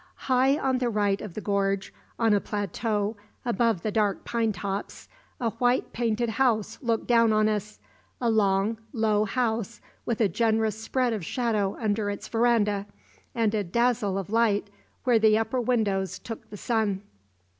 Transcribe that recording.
High on the right of the gorge, on a plateau above the dark pine tops, a white painted house looked down on us a long, low house with a generous spread of shadow under its verandah and a dazzle of light where the upper windows took the sun.